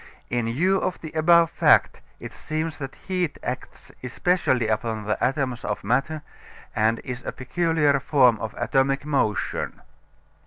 In view of the above fact it seems that heat acts especially upon the atoms of matter and is a peculiar form of atomic motion.